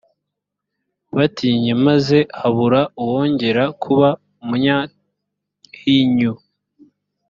batinye, maze habure uwongera kuba umunyahinyu.